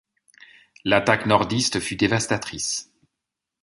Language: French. L'attaque nordiste fut dévastatrice.